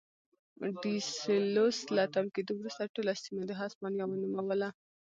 ډي سلوس له تم کېدو وروسته ټوله سیمه د هسپانیا ونوموله.